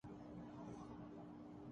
میرے والدین نے مجھے قبول نہیں کیا